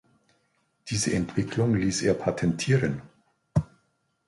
Diese Entwicklung ließ er patentieren.